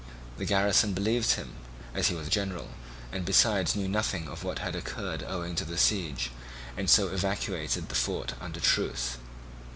The garrison believed him as he was general, and besides knew nothing of what had occurred owing to the siege, and so evacuated the fort under truce.